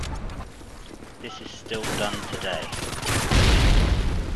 This is still done today.